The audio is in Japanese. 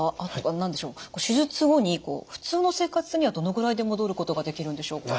何でしょう手術後に普通の生活にはどのぐらいで戻ることができるんでしょうか？